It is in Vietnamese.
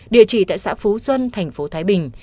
địa chỉ tại xã phú xuân thành phố thái bình